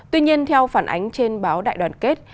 tuy nhiên theo phản ánh trên báo đại đoàn kết